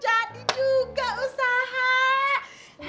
jadi juga usaha